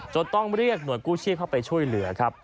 ต้องเรียกหน่วยกู้ชีพเข้าไปช่วยเหลือครับ